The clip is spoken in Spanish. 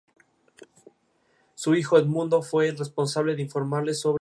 El topónimo "Dehesa" indica que, antiguamente, era un terreno destinado a pasto.